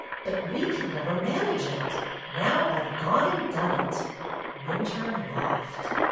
But we could never manage it. Now I've gone and done it!" Minturne laughed.